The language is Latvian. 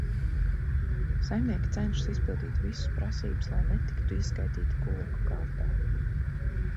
Saimnieki cenšas izpildīt visas prasības, lai netiktu ieskaitīti kulaku kārtā.